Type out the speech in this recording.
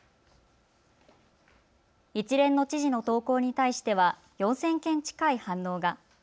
一連の知事の投稿に対しては、４０００件近い反応が。